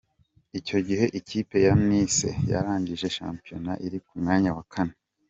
Icyo gihe ikipe ya Nice yarangije shampiyona iri ku mwanya wa kane.